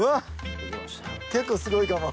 結構すごいかも。